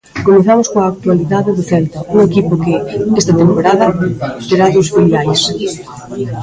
Comezamos coa actualidade do Celta, un equipo que, esta temporada, terá dous filiais.